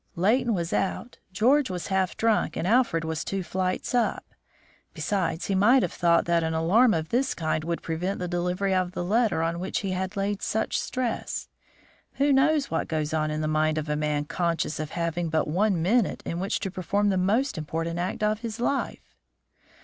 "Leighton was out, George was half drunk, and Alfred was two flights up. Besides, he might have thought that an alarm of this kind would prevent the delivery of the letter on which he laid such stress. Who knows what goes on in the mind of a man conscious of having but one minute in which to perform the most important act of his life?"